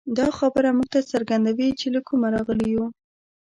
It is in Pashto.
دا خبره موږ ته څرګندوي، چې له کومه راغلي یو.